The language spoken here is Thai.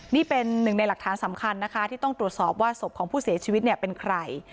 นี่เป็นหนึ่งในหลักฐานสำคัญนะคะที่ต้องตรวจสอบว่าศพของผู้เสียชีวิตเนี่ยเป็นใคร